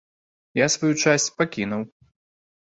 Я сваю часць пакінуў.